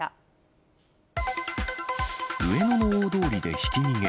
上野の大通りでひき逃げ。